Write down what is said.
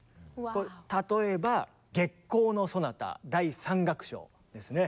例えば「月光」のソナタ第３楽章ですね。